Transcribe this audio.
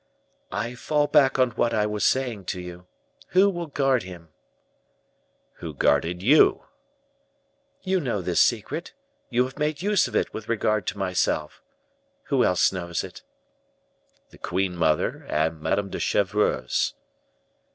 "I fall back on what I was saying to you. Who will guard him?" "Who guarded you?" "You know this secret you have made use of it with regard to myself. Who else knows it?" "The queen mother and Madame de Chevreuse."